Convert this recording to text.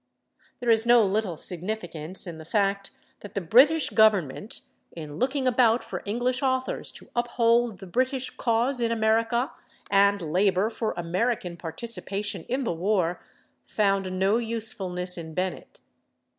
There is no little significance in the fact that the British government, in looking about for English authors to uphold the British cause in America and labor for American participation in the war, found no usefulness in Bennett.